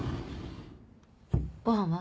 ご飯は？